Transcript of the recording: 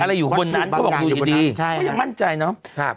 อะไรอยู่บนนั้นเขาบอกดูดีดีใช่เขายังมั่นใจเนอะครับ